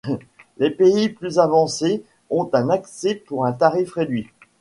Les pays plus avancés ont un accès pour un tarif réduit.